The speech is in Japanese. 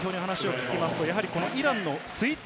日本代表に話を聞くとイランのスイッチ